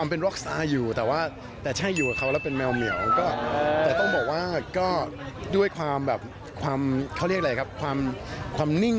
เออล็อกเหนียวนั่นเอง